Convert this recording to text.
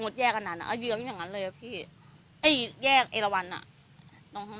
ว่าเอาหยียิงยังงั้นเลยอะพี่เอ้ยแยกเอลวันนะตรงต่าง